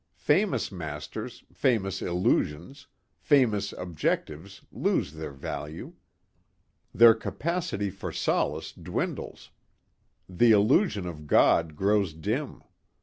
Famous masters, famous illusions, famous objectives lose their value. Their capacity for solace dwindles. The illusion of God grows dim.